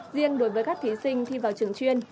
riêng đối với các thí sinh thi vào trường chuyên